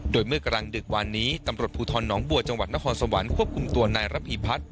โดยเมื่อกลางดึกวานนี้ตำรวจภูทรน้องบัวจังหวัดนครสวรรค์ควบคุมตัวนายระพีพัฒน์